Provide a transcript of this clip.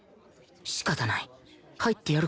仕方ない入ってやるか